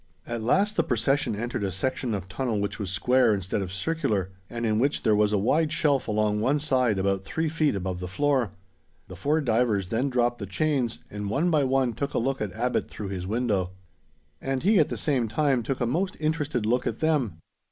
At last the procession entered a section of tunnel which was square, instead of circular, and in which there was a wide shelf along one side about three feet above the floor. The four divers then dropped the chains, and one by one took a look at Abbot through his window. And he at the same time took a most interested look at them.